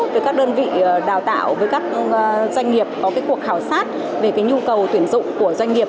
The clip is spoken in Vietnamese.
với các đơn vị đào tạo với các doanh nghiệp có cái cuộc khảo sát về cái nhu cầu tuyển dụng của doanh nghiệp